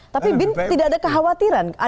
tapi bin tidak ada kekhawatiran